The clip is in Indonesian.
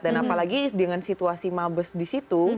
dan apalagi dengan situasi mabers di situ